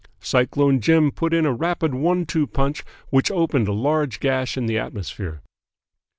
Cyclone Jim put in a rapid one two punch which opened a large gash in the atmosphere.